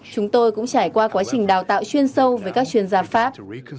chúng tôi cũng trải qua quá trình đào tạo chuyên sâu với các chuyên gia pháp